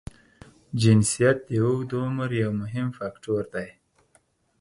جنسیت د اوږد عمر یو مهم فاکټور دی.